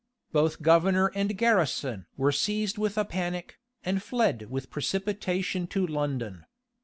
Both governor and garrison were seized with a panic, and fled with precipitation to London.